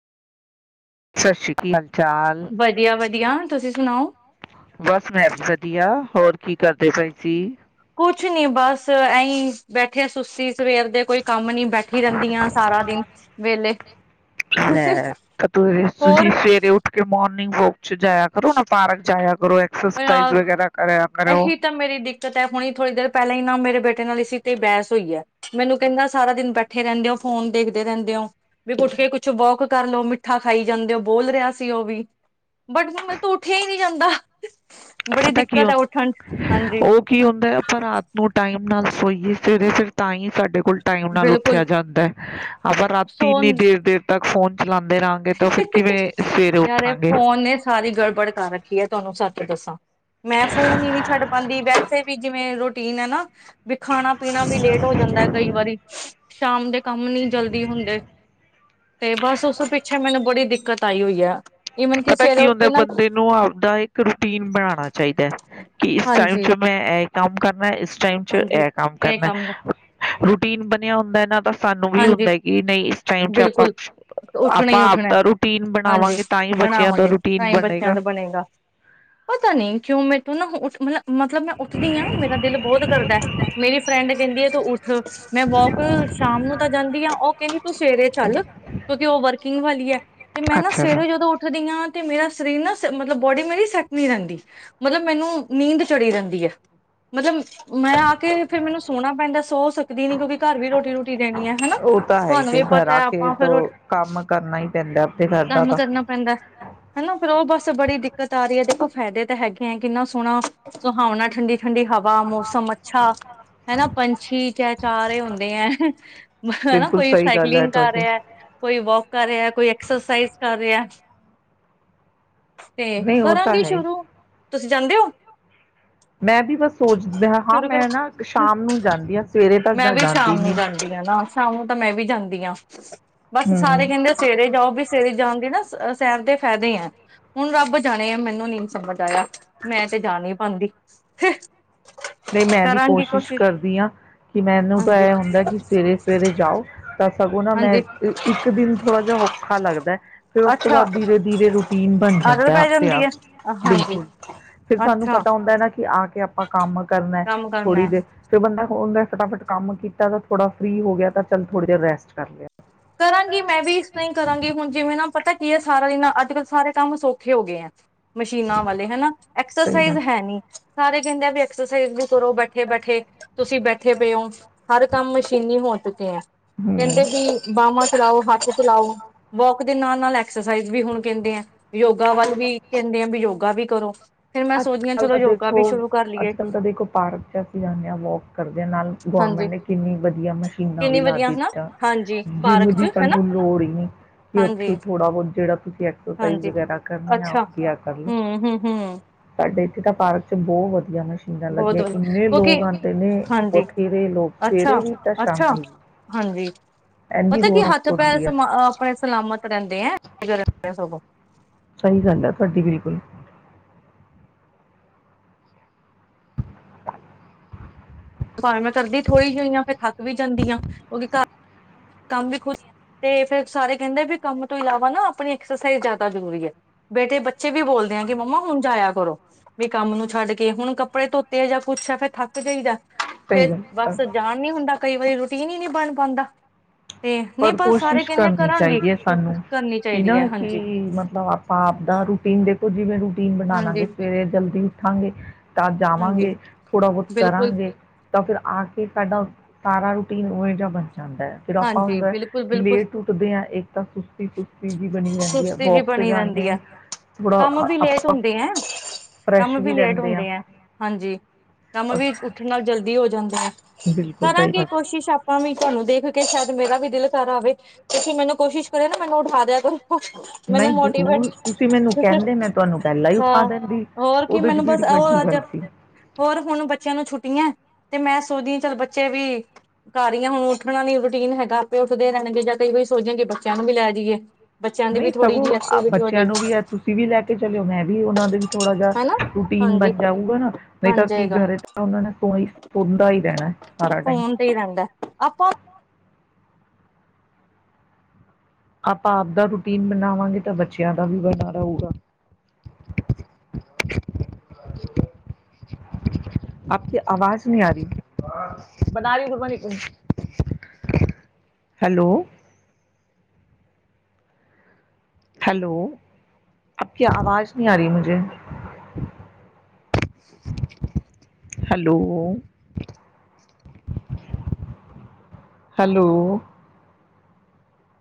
ਸਤਿ ਸ਼੍ਰੀ ਅਕਾਲ ਚਾਲ ਵ ਵਧੀਆ ਵ ਵਧੀਆ ਤੁਸੀਂ ਤੁਸੀ ਸੁਣਾਓ ਸੁ ਬਸ ਮੈਂ ਵਧੀਆ ਹੋਰ ਕੀ ਕਰਦੇ ਪਾਈ ਸੀ ਕੁਛ ਨੀ ਬਸ ਇਸੀਂ ਬੈਠੇ ਸੁੱਤੀ ਸਵੇਰ ਦੇ ਕੋਈ ਕੰਮ ਨੀ ਬੈਠੀ ਰਹਿੰਦੀ ਹ ਸਾਰਾ ਦਿਨ ਵੇਲੇ ਲੈ ਹੋਰ ਨ ਕੁ ਜਾਇਆ ਕਰੋ ਨਾ ਪਾਰਕ ਜਾਇਆ ਕਰ ਕਰੋ ਐਕਸਰਸਾਈਜ਼ ਅ ਵਗੈਰਾ ਕਰੇ ਇਹੀ ਤਾਂ ਮੇਰੀ ਦਿੱਕਤ ਹੈ ਹੁਣੀ ਥੋੜ੍ਹੀ ਦੇਰ ਪਹਿਲਾਂ ਹੀ ਨਾ ਮੇਰੇ ਬੇਟੇ ਨਾਲ ਇਸ ਤੇ ਬਹਿਸ ਹੋਈ ਹੈ ਮੈਨੂੰ ਕਹਿੰਦਾ ਸਾਰਾ ਦਿਨ ਬੈਠੇ ਰਹਿੰਦੇ ਹੋ ਫੋਨ ਦੇਖਦੇ ਰਹਿੰਦੇ ਹੋ ਵੀ ਉੱਠ ਕੇ ਕੁਛ ਵੋਕ ਕਰ ਲਓ ਮਿੱਠਾ ਖਾਈ ਜਾਂਦੇ ਹੋ ਬੋਲ ਰਿਹਾ ਸੀ ਉਹ ਵੀ ਬਟ ਮੈਂ ਤੂੰ ਉੱਠਿਆ ਹੀ ਨਹੀਂੀ ਜਾਂਦਾ ਬੜੇ ਕੀ ਉਹ ਕੀ ਹੁੰਦਾ ਪਰ ਰਾਤ ਨੂੰ ਟਾਈਮ ਨਾਲ ਸੋਈਏ ਸਵੇਰੇ ਫਿਰ ਤਾਂ ਹੀ ਸਾਡੇ ਕੋਲ ਕੋਲ ਟਾਈਮ ਨਾਲ ਬਿਲਕੁਲ ਉੱਠਿਆ ਜਾਂਦਾ ਹੈ ਆ ਰਾਤੀ ਸੋ ਇੰਨੀ ਦੇਰ ਦੇਰ ਤੱਕ ਫੋਨ ਚਲਾਉਂਦੇ ਰਹਾਂਗੇ ਤਾਂ ਫਿਰ ਕਿਵੇਂ ਸਵੇਰੇ ਯਾਰ ਉੱਠਾਂਗੇ ਫੋਨ ਨੇ ਸਾਰੀ ਗੜਬੜ ਕਰ ਰੱਖੀ ਹੈ ਤੁਹਾਨੂੰ ਸੱਚ ਦੱਸਾਂ ਮੈਂ ਫੋਨ ਹੀ ਨਹੀਂੀ ਛੱਡ ਪਾਉਂਦੀ ਵੈਸੇ ਵੀ ਜਿਵੇਂ ਰੋਟੀ [unintelligible] ਵੀ ਖਾਣਾ ਪੀਣਾ ਵੀ ਲੇਟ ਹੋ ਜਾਂਦਾ ਕਈ ਵਾਰੀ ਸ਼ਾਮ ਦੇ ਕੰਮ ਨੀ ਜਲਦੀ ਹੁੰਦੇ ਤੇ ਬਸ ਉਸ ਅੱਛਾ ਮੈਨੂੰ ਬੜੀ ਦਿੱਕਤ ਆਈ ਹੋਈ ਆ ਪਤਾ ਕੀ ਹੁੰਦਾ ਬੰਦੇ ਨੂੰ ਆਪਦਾ ਇੱਕ ਰੂਟੀਨ ਬਣਾਉਣਾ ਚਾਹੀਦਾ ਕਿ ਇਸ ਟਾਈਮ ਹਾਂਜੀ ਚ ਮੈਂ ਇਹ ਕੰਮ ਕਰਨਾ ਇਸ ਟਾਇਮ ਸਿਰ ਹਾਂਜੀ ਐਡ ਔਨ ਇਹ ਕਰਨਾ ਕੰਮ ਰੂਟੀਨ ਬਣੀ ਨਹੀਂ ਹੁੰਦਾ ਇਹ ਨਾ ਤੋਂ ਸਾਨੂੰ ਵੀ ਹਾਂਜੀ ਹੁੰਦਾ ਕਿ ਨਹੀਂ ਇਸ ਟਾਈਮ ਚ ਆਪਾਂ ਬਿਲਕੁਲ ਉੱਠਣਾ ਆਪਾਂ ਹੀ ਉੱਠਣਾ ਆਪਦਾ ਰੂਟੀਨ ਹਾਂਜੀ ਬਣਾਵਾਂਗੇ। ਬੱਚਿਆਂ ਦਾ ਬਣਾਵਾਂਗੇ ਰੂਟੀਨ ਤਾਂ ਹੀ ਬੱਚਿਆਂ ਬਣੇਗਾ ਦਾ ਬਣੇਗਾ ਪਤਾ ਨੀ ਕਿਉਂ ਮੈਂ ਤੂੰ ਨਾ ਹੂੰ ਉੱਠ ਮੱਲ ਮਤਲਬ ਮੈਂ ਉੱਠਦੀ ਹਾਂ, ਮੇਰਾ ਦਿਲ ਬਹੁਤ ਕਰਦਾ ਮੇਰੀ ਫਰੈਂਡ ਕਹਿੰਦੀ ਆ ਤੂੰ ਉੱਠ ਮੈਂ ਵੋਕ ਸ਼ਾਮ ਨੂੰ ਤਾਂ ਜਾਂਦੀ ਆ ਉਹ ਕਹਿੰਦੀ ਤੂੰ ਸਵੇਰੇ ਚੱਲ। ਕਿਉਂਕਿ ਉਹ ਵਰਕਿੰਗ ਵਾਲੀ ਹੈ। ਤੇ ਮੈਂ ਨਾ ਅੱਛਾ ਅੱਛਾ ਸਵੇਰੇ ਜਦੋਂ ਉੱਠਦੀ ਹਾਂ ਤੇ ਮੇਰਾ ਸਰੀਰ ਨਾ ਮਤਲਬ ਬੋਡੀ ਮੇਰੀ ਸੈੱਟ ਨੀ ਰਹਿੰਦੀ, ਮਤਲਬ ਮੈਨੂੰ ਨੀਂਦ ਚੜੀ ਰਹਿੰਦੀ ਹੈ ਮਤਲਬ ਮੈਂ ਆ ਕੇ ਫਿਰ ਮੈਨੂੰ ਸੋਣਾ ਪੈਂਦਾ ਸੋ ਸਕਦੀ ਨੀ ਕਿਉਂਕਿ ਘਰ ਵੀ ਰੋਟੀ ਰੁਟੀ ਦੇਣੀ ਹੈ। ਹਨਾ ਉਹ ਤਾਂ ਹੈ ਹੀ ਤੁਹਾਨੂੰ ਵੀ ਫਿਰ ਘਰ ਪਤਾ ਆ ਹੈ ਕੇ ਆਪਾਂ ਤੋ ਫਿਰ ਕੰਮ ਕਰਨਾ ਹੀ ਪੈਂਦਾ ਆਪਦੇ ਘਰ ਦਾ ਤਾਂ। ਫਿਰ ਉਹ ਬਸ ਬੜੀ ਦਿੱਕਤ ਆ ਰਹੀ ਹੈ, ਦੇਖੋ ਫਾਇਦੇ ਤਾਂ ਹੈਗੇ ਆ ਕਿੰਨਾ ਸੋਹਣਾ ਸੁਹਾਵਣਾ ਠੰਡੀ ਠੰਡੀ ਹਵਾ, ਮੌਸਮ ਅੱਛਾ ਹਨਾ, ਪੰਛੀ ਚ ਚਾਰੇ ਹੁੰਦੇ ਹੈ। ਹਨਾ ਬਿਲਕੁਲ ਕੋਈ ਸਹੀ ਗੱਲ ਹੈ ਸਾਈਕਲਿੰਗ ਕਰ ਤੁਹਾਡੀ। ਰਿਹਾ, ਕੋਈ ਵੌਕ ਕਰ ਰਿਹਾ, ਕੋਈ ਐਕਸਰਸਾਈਜ਼। ਕਰ ਰਿਹਾ। ਤੇ ਨਹੀਂ ਉਹ ਤਾਂ ਕਰਾਂਗੇ ਹੈ ਹੀ ਸ਼ੁਰੂ ਤੁਸੀਂ ਜਾਂਦੇ ਹੋ। ਮੈਂ ਵੀ ਬਸ ਸੋਚਦਾ ਹਾਂ ਸ਼ੁਰੂ ਕਰ ਮੈਂ ਨਾ ਸ਼ਾਮ ਨੂੰ ਜਾਂਦੀ ਹਾਂ ਸਵੇਰੇ ਤੱਕ ਜਾਂਦੀ ਨੀ। ਹੁਣ ਤਾਂ ਮੈਂ ਵੀ ਜਾਂਦੀ ਹਾਂ। ਬਸ, ਹੂੰ। ਸਾਰੇ ਕਹਿੰਦੇ ਸਵੇਰੇ ਜਾਓ ਵੀ ਸਵੇਰੇ ਜਾਣ ਦੀ ਨਾ ਸੈਰ ਦੇ ਫਾਇਦੇ ਆ ਹੁਣ ਰੱਬ ਜਾਣੇ ਆ ਮੈਨੂੰ ਨੀ ਸਮਝ ਆਇਆ ਮੈਂ ਤੇ ਜਾ ਨਹੀਂ ਪਾਂਦੀ ਹ ਤੇ ਮੈਂ ਵੀ ਕੋਸ਼ਿਸ਼ ਕਰਦੀ ਹਾਂ ਕਿ ਮੈਨੂੰ ਤਾਂ ਹਾਂਜੀ ਇਹ ਹੁੰਦਾ ਕਿ ਸਵੇਰੇ ਸਵੇਰੇ ਜਾਓ। ਤਾਂ ਸਗੋਂ ਨਾ ਮੈਂ ਹਾਂਜੀ ਇੱਕ ਦਿਨ ਥੋੜਾ ਜਿ ਔਖਾ ਲੱਗਦਾ ਫਿਰ ਉਸ ਤੋਂ ਅੱਛਾ ਬਾਅਦ ਧੀਰੇ- ਧੀਰੇ ਰੂਟੀਨ ਬਣ ਆਦਤ ਜਾਂਦਾ ਪੈ ਆਪਦੇ ਜਾਂਦੀ ਆਪ ਹੈ ਹਾਂਜੀ ਬਿਲਕੁਲ ਫਿਰ ਸਾਨੂੰ ਅੱਛਾ ਪਤਾ ਹੁੰਦਾ ਹੈ ਨਾ ਕਿ ਆ ਕੇ ਆਪ ਆਪਾਂ ਕੰਮ ਕਰਨਾ ਕੰਮ ਕਰਨਾ ਥੋੜ੍ਹੀ ਹੈ ਦੇਰ ਫਿਰ ਬੰਦਾ ਫੋਨ ਦਾ ਫਟਾਫਟ ਕੰਮ ਕੀਤਾ ਤਾਂ ਥੋੜਾ ਫਰੀ ਹੋ ਗਿਆ ਤਾਂ ਚੱਲ ਥੋੜ੍ਹੀ ਦੇਰ ਰੈਸਟ ਕਰ ਲਿਆ ਕਰਾਂਗੀ ਮੈਂ ਵੀ ਇਸ ਤਰ੍ਹਾਂ ਹੀ ਕਰਾਂਗੀ ਹੁਣ ਜਿਵੇਂ ਨਾ ਪਤਾ ਕੀ ਹੈ ਸਾਰਾ ਇਹਨਾ ਅੱਜ ਕੱਲ ਸਾਰੇ ਤਾਂ ਸੌਖੇ ਹੋ ਗਏ ਆ ਮਸ਼ੀਨਾਂ ਵਾਲੇ ਹਨਾ ਸਹੀ ਐਕਸਰਸਾਈਜ਼ ਗੱਲ ਹੈ ਨੀ ਸਾਰੇ ਕਹਿੰਦੇ ਆ ਵੀ ਅਕਸਰ ਕਰੋ ਬੈਠੇ ਬੈਠੇ ਤੁਸੀਂ ਬੈਠੇ ਪਏ ਹੋ ਹਰ ਕੰਮ ਮਸ਼ੀਨੀ ਹੋ ਚੁੱਕੇ ਆ ਕਰਦੇ ਕਹਿੰਦੇ ਹਮ ਵੀ ਬਾਹਾਹਾਂ ਚਲਾਾਓ ਹੱਥ ਚਲਾਓ ਵੋਕ ਦੇ ਨਾਲ ਉਹ ਨਾਲ ਐਕਸਰਸਾਈਜ਼ ਵੀੁਣ ਕਹਿੰਦੇ ਆ ਯੋਗਾ ਵੱਲ ਵੀ ਕਹਿੰਦੇ ਆ ਵੀ ਯੋਗਾ ਵੀ ਕਰੋ ਫਿਰ ਮੈਂ ਅੱਜ ਸੋਚਦੀ ਹਾਂ ਕਲ ਚਲੋ ਤਾਂ ਯੋਗਾ ਦੇਖੋ ਵੀ ਸ਼ੁਰੂ ਕਰ ਲਈਏ ਅੱਜ ਕਲ ਤਾਂ ਦੇਖੋ ਪਾਰਕ ਚ ਅਸੀਂ ਜਾਂਦੇ ਹਾਂ ਵੋਕ ਕਰਦੇ ਹਾਂ ਨਾਲ ਗਰਮੈਂਟ ਹਾਂਜੀ ਨੇ ਕਿੰਨੀ ਵਧੀਆ ਮਸ਼ੀਨਾਂ ਵੀ ਕਿੰਨੀ ਲਾ ਵਧੀਆ ਹਨਾ ਦਿੱਆਂ ਹਾਂਜੀ ਜਿੰਮ ਪਾਰਕ ਚ ਦੀ ਹਨਾ ਸਾਨੂੰ ਲੋੜ ਨਹੀਂ ਕਿ ਹਾਂਜੀ ਉੱਥੇ ਥੋੜਾ ਬਹੁਤ ਜਿਹੜਾ ਤੁਸੀਂ ਐਕਸਸਾਈਜ਼ ਹਾਂਜੀ ਵਗੈਰਾ ਕਰਨੀ ਆ ਅੱਛਾ ਕਰ ਲੋ ਹੂੰ ਹੂੰ ਹੂੰ ਸਾਡੇ ਇੱਥੇ ਤਾਂ ਪਾਰਕ ਚ ਬਹੁਤ ਵਧੀਆ ਮ ਬਹੁਤ ਬਤ ਕਿਉਕਿ ਹਾਂਜੀ ਬਥੇਰੇ ਲੋਕ ਅੱਛਾ ਸਵੇਰੇ ਵੀ ਤਾਂ ਅੱਛਾ ਸ਼ਾਮੀ ਵੀ ਹਾਂਜੀ ਐਨੀ ਪਤਾ ਕੀ ਹੱਥ ਰੌਣਕ ਪੈਰ ਹੁੰਦੀ ਹੈ ਸਮ ਆਪਣੇ ਸਲਾਮਤ ਰਹਿੰਦੇ ਹੈ ਸਗੋਂ ਸਹੀ ਗੱਲ ਹੈ ਤੁਹਾਡੀ ਬਿਲਕੁਲ ਭਾਵੇਂ ਮੈਂ ਕਰਦੀ ਥੋੜ੍ਹੀ ਜਿਹੀ ਹਾਂ ਫਿਰ ਥੱਕ ਵੀ ਜਾਂਦੀ ਹਾਂ ਕਿਉਂਕਿ ਘਰ ਕੰਮ ਵੀ ਖੁਸ਼ ਤੇ ਫੇਿਰ ਸਾਰੇ ਕਹਿੰਦੇ ਵੀ ਕੰਮ ਤੋਂ ਇਲਾਵਾ ਨਾ ਆਪਣੀ ਐਕਸਰਸਾਈਜ਼ ਜ਼ਿਆਦਾ ਜ਼ਰੂਰੀ ਹੈ ਬੇਟੇ ਬੱਚੇ ਵੀ ਬੋਲਦੇ ਆ ਕਿ ਮੰਮਾ ਹੁਣ ਜਾਇਆ ਕਰੋ ਵੀ ਕੰਮ ਨੂੰ ਛੱਡ ਕੇ ਹੁਣ ਕੱਪੜੇ ਧੋਤੇ ਆ ਜਾਂ ਕੁਛ ਆ ਫਿਰ ਥੱਕ ਜਾਈ ਜਾ ਸਹੀ ਫੇਰ ਗੱਲ ਹੈ ਬਸ ਜਾਣ ਨੀ ਹੁੰਦਾ ਕਈ ਵਾਰੀ ਰਟੀ ਪੀ ਨੀ ਨੀ ਬਣ ਪਾਉਂਦਾ ਤੇ ਨਹੀਂ ਪਰ ਬਸ ਸਾਰੇ ਕੋਸ਼ਿਸ਼ ਕਹਿੰਦੇ ਕਰਨੀ ਕਰਾਂਗੇ ਚਾਹੀਦੀ ਹੈ ਸਾਨੂੰ ਕਰਨੀ ਕਿ ਨਾ ਚਾਹੀਦੀ ਹੈ ਕਿ ਹਾਂਜੀ ਮਤਲਬ ਆਪਾਂ ਆਪਦਾ ਰੂਟੀਨ ਦੇ ਜੀ ਮੈਨੂੰ ਬਣਾਵਾਂਗੇ ਹਾਂਜੀ ਸਵੇਰੇ ਜਲਦੀ ਹਾਂਗੇ ਤਾਂ ਹਾਂਜੀ ਜਾਵਾਂਗੇ ਥੋੜ੍ਹਾ ਬਹੁਤ ਬਿਲਕੁਲ ਕਰਾਂਗੇ ਤਾਂ ਫਿਰ ਆ ਕੇ ਸਾਡਾ ਸਾਰਾ ਰੂਟੀਨ ਜਿਹਾ ਬਣ ਜਾਂਦਾ ਫਿਰ ਆਪਾਂ ਹਾਂਜੀ ਹੁੰਦਾ ਬਿਲਕੁਲ ਬਿਲਕੁਲ ਲੇਟ ਉੱਠਦੇ ਆ ਇੱਕ ਤਾਂ ਸੁਸਤੀ ਸੁਸਤੀ ਜੀ ਬਣੀ ਰਹਿੰਦੀ ਹੈ ਸੁਸਤੀ ਜ ਵੋਕ 'ਚ ਬਣੀ ਰਹਿੰਦੀ ਜਾਂਦੇ ਆ ਹੈ ਥੋੜਾ ਕੰਮ ਵੀ ਲੇਟ ਆਪਾਂ ਹੁੰਦੇ ਹੈ ਫਰੈਸ਼ ਕੰਮ ਵੀ ਲੇਟ ਰਹਿੰਦੇ ਆ ਹੁੰਦੇ ਹੈ ਹਾਂਜੀ ਕੰਮ ਔਰ ਵੀ ਉੱਠਣ ਨਾਲ ਜਲਦੀ ਹੋ ਜਾਂਦਾ ਹੈ ਬਿਲਕੁਲ ਸਹੀ ਕਰਾਂਗੇ ਗੱਲ ਕੋਸ਼ਿਸ਼ ਆਪਾਂ ਵੀ ਤੁਹਾਨੂੰ ਦੇਖ ਕੇ ਕਿ ਸ਼ਾਇਦ ਮੇਰਾ ਵੀ ਦਿਲ ਕਰ ਆਵੇ ਤੇਸੀਿਰ ਮੈਨੂੰ ਕੋਸ਼ਿਸ਼ ਕਰੇ ਨਾ ਮੈਨੂੰ ਉਠਾ ਦਿਆ ਕੋ ਮੈਨੂੰ ਨਹੀਂ ਮੋਟੀਵੇਟ ਜ਼ਰੂਰ ਤੁਸੀਂ ਮੈਨੂੰ ਕਹਿੰਦੇ ਮੈਂ ਤੁਹਾਨੂੰ ਪਹਿਲਾਂ ਹੀ ਉਠਾ ਹਾਂ ਦਿੰਦੀ ਹੋਰ ਕੀ ਉਹਦੇ 'ਚ ਮੈਨੂੰ ਕਿਹੜੀ ਬਸ ਵੱਡੀ ਉਹ ਅੱਜ ਗੱਲ ਸੀ ਹੋਰ ਹੁਣ ਬੱਚਿਆਂ ਨੂੰ ਛੁੱਟੀਆਂ ਤੇ ਮੈਂ ਸੋਚਦੀ ਹਾਂ ਚੱਲ ਬੱਚੇ ਵੀ ਕਰ ਰਹੀ ਹ ਹੁਣ ਉੱਠਣਾ ਨ ਯੀਨ ਹੈਗਾ ਆਪੇ ਉੱਠਦੇ ਰਹਿਣਗੇ ਜਾਂ ਕਈ ਵਾਰੀ ਸੋ ਜਾਣਗੇ ਬੱਚਿਆਂ ਨੂੰ ਵੀ ਲੈ ਜਾਈਏ ਬੱਚਿਆਂ ਦੀ ਨਹੀਂ ਵੀ ਥੋੜ੍ਹੀ ਸਗੋਂ ਜਿਹੀ ਐਕਟੀਵਿਟੀ ਹੋ ਬੱਚਿਆਂ ਨੂੰ ਜਾਏਗੀ ਵੀ ਹੈ ਤੁਸੀਂ ਵੀ ਲੈ ਕੇ ਚੱਲਿਓ ਮੈਂ ਵੀ ਉਹਨਾ ਦਾ ਵੀ ਥੋੜ੍ਹਾ ਜਿਹਾ ਹਨਾ ਰੂਟੀਨ ਹਾਂਜੀ ਬਣ ਜਾਊਗਾ ਨਾ ਨਹੀਂ ਬਣ ਤਾਂ ਕੀ ਜਾਏਗਾ ਘਰੇ ਤਾਂ ਉਹ ਨੇ ਸ ਸਣਦਾ ਹੀ ਰਹਿਣਾ ਸਾਰਾ ਟਾਈਮ ਫੋਨ ਤੇ ਹੀ ਰਹਿੰਦਾ ਆਪਾਂ ਆਪਾਂ ਆਪ ਦਾ ਰੂਟੀਨ ਬਣਾਵਾਂਗੇ ਤਾਂ ਬੱਚਿਆਂ ਦਾ ਵੀ ਬਣਾ ਰੂਗਾ ਆਪਦੀ ਆਵਾਜ਼ ਨੀ ਆ ਰਹੀ ਬ ਰਹੀ ਗਬ ਹੈਲੋ ਹੈਲੋ ਅ ਕ ਆਵਾਜ਼ ਨਹੀਂ ਆ ਰਹੀ ਮੁਝੇ ਹੈਲੋ ਹੈਲੋ